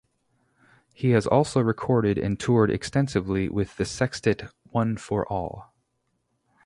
He has also recorded and toured extensively with the sextet One for All.